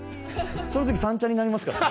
その次「三茶」になりますからね。